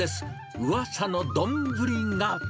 うわさの丼が。